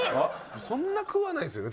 そんな食わないですよね